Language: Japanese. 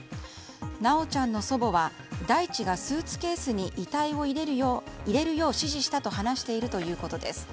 修ちゃんの祖母は大地がスーツケースに遺体を入れるよう指示したと話しているということです。